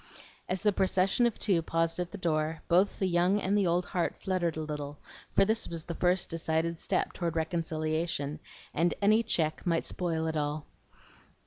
As the procession of two paused at the door, both the young and the old heart fluttered a little, for this was the first decided step toward reconciliation, and any check might spoil it all.